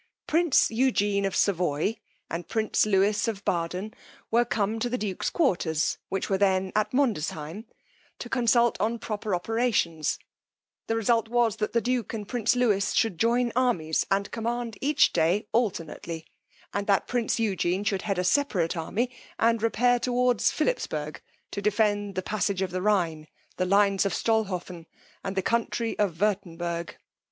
Prince Eugene of Savoy, and prince Lewis of Baden were come to the duke's quarters, which were then at Mondesheim, to consult on proper operations; the result was, that the duke and prince Lewis should join armies, and command each day alternately, and that prince Eugene should head a separate army and repair towards Philipsburg, to defend the passage of the Rhine, the lines of Stolhoffen, and the country of Wirtenberg.